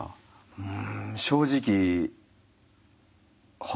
うん。